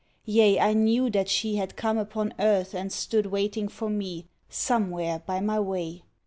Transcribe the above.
Yea, I knew that she Had come upon earth and stood waiting for me Somewhere by my way.